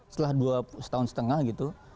setelah dua setahun setengah gitu